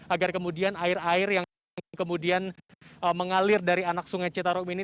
agar kemudian air air yang kemudian mengalir dari anak sungai citarum ini